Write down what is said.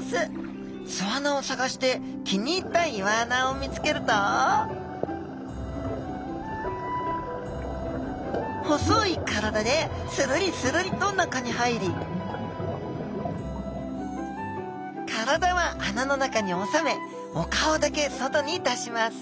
巣穴を探して気に入った岩穴を見つけると細い体でするりするりと中に入り体は穴の中に収めお顔だけ外に出します